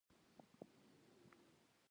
• ژړا د ماتو زړونو آواز دی.